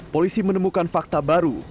polisi menemukan fakta baru